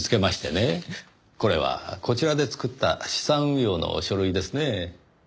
これはこちらで作った資産運用の書類ですね？